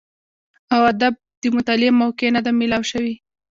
او ادب د مطالعې موقع نۀ ده ميلاو شوې